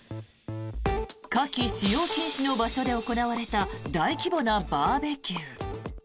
火気使用禁止の場所で行われた大規模なバーベキュー。